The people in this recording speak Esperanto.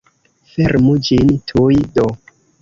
Fermu ĝin tuj, do!